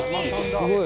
すごい！